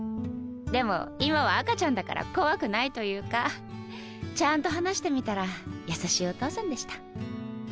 でも今は赤ちゃんだから怖くないというかちゃんと話してみたら優しいお父さんでした。